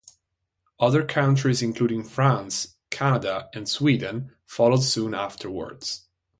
Other countries, including France, Canada and Sweden, followed soon afterwards.